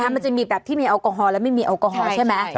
มันจะมีแบบที่มีแอลกอฮอลและไม่มีแอลกอฮอล์ใช่ไหม